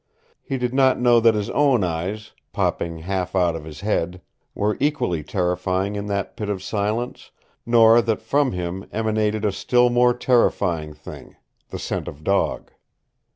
He did not know that his own eyes, popping half out of his head, were equally terrifying in that pit of silence, nor that from him emanated a still more terrifying thing the scent of dog.